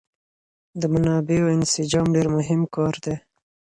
د منابعو انسجام ډېر مهم کار دی.